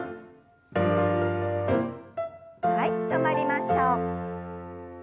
はい止まりましょう。